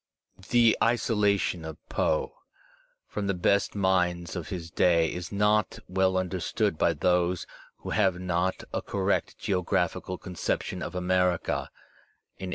The isolation of Poe from the best minds of his day is not well understood by those who have not a correct geographical conception of America in 1840.